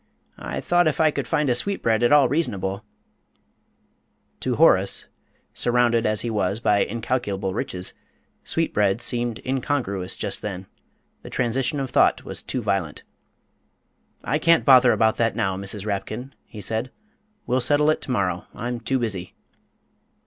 I thought if I could find a sweetbread at all reasonable " To Horace surrounded as he was by incalculable riches sweetbreads seemed incongruous just then; the transition of thought was too violent. "I can't bother about that now, Mrs. Rapkin," he said; "we'll settle it to morrow. I'm too busy."